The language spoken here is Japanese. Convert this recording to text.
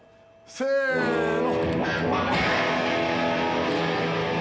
せの。